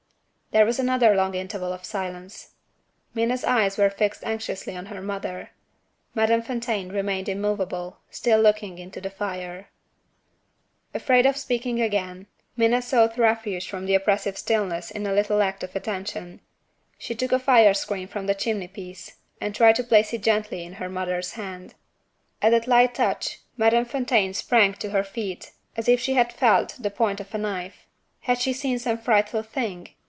There was another long interval of silence. Minna's eyes were fixed anxiously on her mother. Madame Fontaine remained immovable, still looking into the fire. Afraid to speak again, Minna sought refuge from the oppressive stillness in a little act of attention. She took a fire screen from the chimney piece, and tried to place it gently in her mother's hand. At that light touch, Madame Fontaine sprang to her feet as if she had felt the point of a knife. Had she seen some frightful thing?